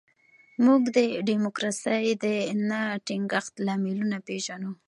موږ د ډیموکراسۍ د نه ټینګښت لاملونه پېژنو.